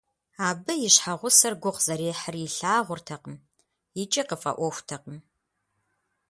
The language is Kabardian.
Абы и щхьэгъусэр гугъу зэрехьыр илъагъуртэкъым икӏи къыфӏэӏуэхутэкъым.